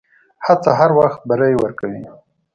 هڅه هر وخت بری ورکوي.